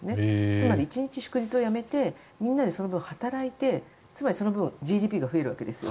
つまり１日祝日をやめてみんなでその分、働いてつまりその分ＧＤＰが増えるわけです。